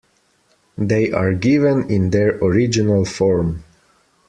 They are given in their original form.